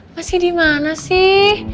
masih dimana sih